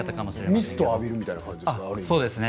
ミストを浴びるみたいな感じで。